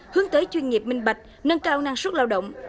hướng tới chuyên nghiệp minh bạch nâng cao năng suất lao động